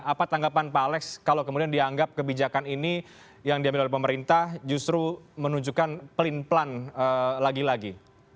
apa tanggapan pak alex kalau kemudian dianggap kebijakan ini yang diambil oleh pemerintah justru menunjukkan pelin pelan lagi lagi